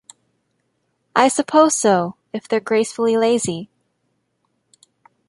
I suppose so, if they're gracefully lazy.